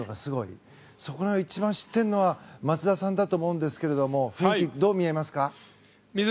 そこを一番知っているのは松田さんだと思うんですけどどう見えますか？